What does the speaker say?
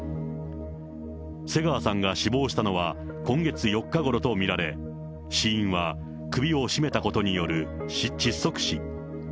瀬川さんが死亡したのは今月４日ごろと見られ、死因は首を絞めたことによる窒息死。